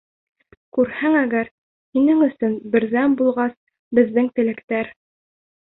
Күрһәң әгәр, һинең өсөн Берҙәм булғас беҙҙең теләктәр.